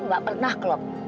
gak pernah klop